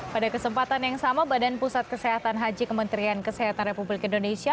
pada kesempatan yang sama badan pusat kesehatan haji kementerian kesehatan republik indonesia